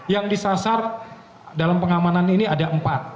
yang disasar dalam pengamanan ini ada empat